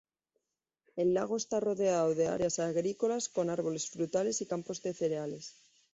El lago está rodeado de áreas agrícolas con árboles frutales y campos de cereales.